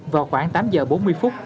vào khoảng tám giờ bốn mươi phút